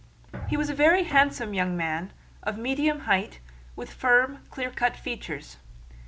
He was a very handsome young man, of medium height, with firm, clearcut features.